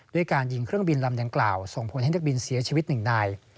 ด้วยการยิงเครื่องบินลำดังกล่าวส่งผลให้นักบินเสียชีวิตหนึ่งนาย